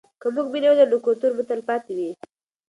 که موږ مینه ولرو نو کلتور مو تلپاتې وي.